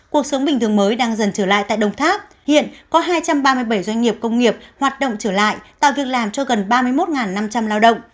cuộc sống bình thường mới đang dần trở lại tại đồng tháp hiện có hai trăm ba mươi bảy doanh nghiệp công nghiệp hoạt động trở lại tạo việc làm cho gần ba mươi một năm trăm linh lao động